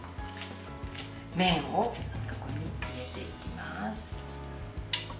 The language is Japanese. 麺をここに入れていきます。